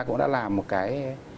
cũng đã làm một cái